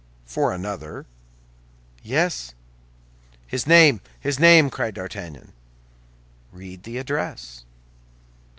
"For another?" "Yes." "His name; his name!" cried D'Artagnan. "Read the address."